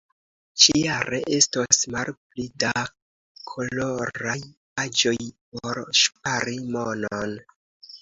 Ĉi-jare estos malpli da koloraj paĝoj por ŝpari monon.